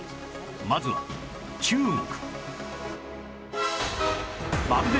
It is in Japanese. まずは中国